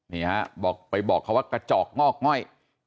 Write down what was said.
นี่ฮะบอกไปบอกเขาว่ากระจอกงอกง่อย